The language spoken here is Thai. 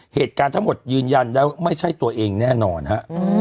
เหตุการณ์ทั้งหมดยืนยันแล้วไม่ใช่ตัวเองแน่นอนฮะ